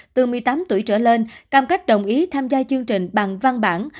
từ một mươi tám tuổi trở lên cam kết đồng ý tham gia chương trình bằng văn bản